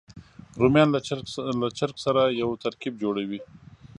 رومیان له چرګ سره یو ترکیب جوړوي